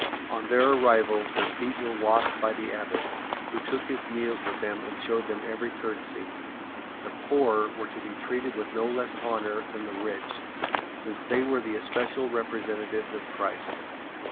'' On their arrival their feet were ST. BENEDICT 79 washed by the Abbot, who took his meals with them and showed them every courtesy. The poor were to be treated with no less honour than the rich, since they were the especial representatives of Christ.